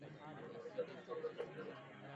আমি জানি, কাল রাতে আপনি আমার স্বামীর সাথে ছিলেন।